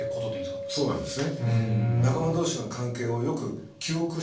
そうなんですね。